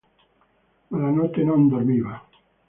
Ma la notte non dormiva.